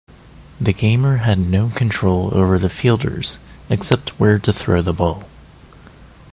The gamer had no control over the fielders, except where to throw the ball.